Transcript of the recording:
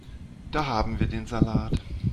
Da haben wir den Salat.